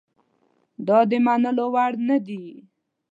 دا د منلو وړ نه دي.